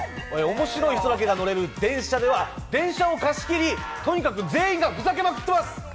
面白い人だけが乗れる電車では電車を貸し切り、とにかく全員がふざけまくっています。